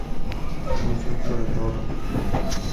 Un ejemplo de todo".